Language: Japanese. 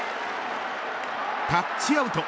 タッチアウト。